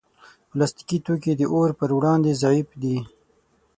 پلاستيکي توکي د اور پر وړاندې ضعیف دي.